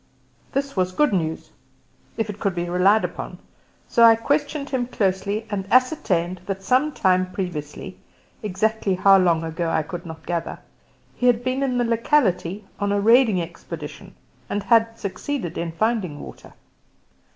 This was good news, if it could be relied upon; so I questioned him closely, and ascertained that some time previously exactly how long ago I could not gather he had been in the locality on a raiding expedition and had succeeded in finding water.